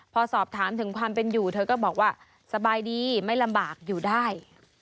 พอสอบถามถึงความเป็นอยู่เธอก็บอกว่าสบายดีไม่ลำบากอยู่ได้